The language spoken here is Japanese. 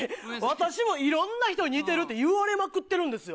私もいろんな人に似てるって言われまくってるんですよ。